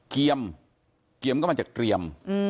เกียมเกียมก็มาจากเตรียม